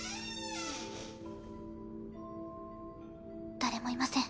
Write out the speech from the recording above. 誰もいません。